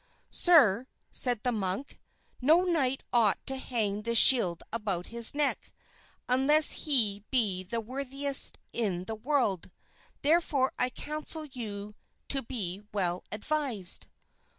"Sir," said the monk, "no knight ought to hang this shield about his neck, unless he be the worthiest in the world, therefore I counsel you to be well advised."